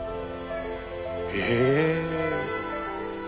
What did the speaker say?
へえ。